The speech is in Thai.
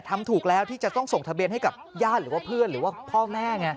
ทำถูกแล้วที่จะต้องส่งทะเบียนให้กับญาติหรือว่าเพื่อนหรือว่าพ่อแม่ไง